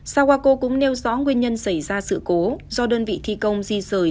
sawako cũng nêu rõ nguyên nhân xảy ra sự cố do đơn vị thi công di rời